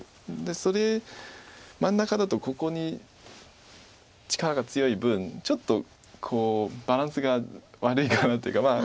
それ真ん中だとここに力が強い分ちょっとこうバランスが悪いかなというか。